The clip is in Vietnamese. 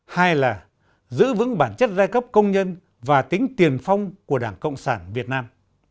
hai là giữ vững bản chất giai cấp công nhân và tính tiền phong của đảng cộng sản việt nam